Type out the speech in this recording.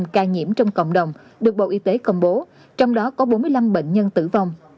bảy ba trăm tám mươi năm ca nhiễm trong cộng đồng được bộ y tế công bố trong đó có bốn mươi năm bệnh nhân tử vong